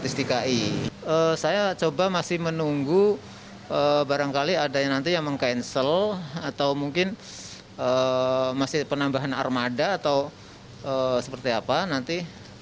saya coba masih menunggu barangkali ada yang nanti yang meng cancel atau mungkin masih penambahan armada atau seperti apa nanti